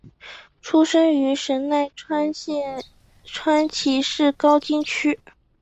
出生于神奈川县川崎市高津区。